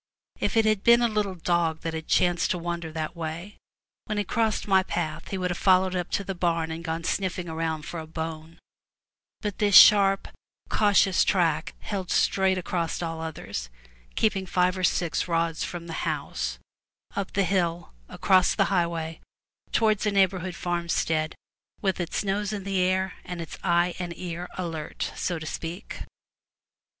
If it had been a little dog that had chanced to wander that way, when he crossed my path he would have followed it up to the barn and have gone smelling around for a bone; but this sharp, cautious track held straight across all others, keeping five or six rods from the house, up the hill, across the highway towards a neighborhood farmstead, with its nose in the air and its eye and ear alert, so to speak.